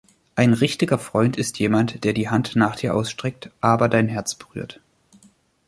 Ein richtiger Freund ist jemand, der die Hand nach dir ausstreckt, aber dein Herz berührt.